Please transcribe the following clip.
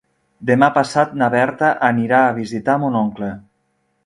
Demà passat na Berta anirà a visitar mon oncle.